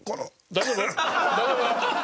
大丈夫？